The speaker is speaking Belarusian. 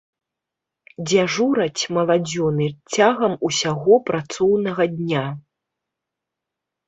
Дзяжураць маладзёны цягам усяго працоўнага дня.